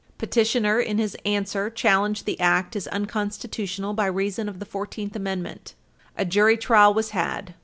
Petitioner, in his answer, challenged the Act as unconstitutional by reason of the Fourteenth Amendment. A jury trial was had.